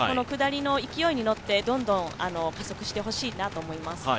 下りの勢いに乗ってどんどん加速してほしいなと思います。